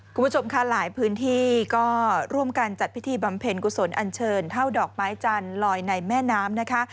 คุณผู้ชมค่ะหลายพื้นที่ก็ร่วมกันจัดพิธีบำเพ็ญกุศลอันเชิญเท่าดอกไม้จันทร์ลอยในแม่น้ำนะคะ